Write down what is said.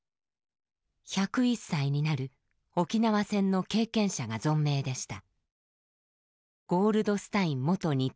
１０１歳になる沖縄戦の経験者が存命でした。